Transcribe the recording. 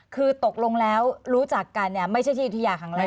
คือตกลงแล้วรู้จักกันเนี่ยไม่ใช่ที่ยุธยาครั้งแรก